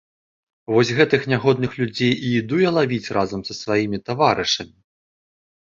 Вось гэтых нягодных людзей і іду я лавіць разам са сваімі таварышамі.